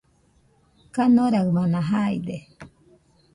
kanoraɨmana jaide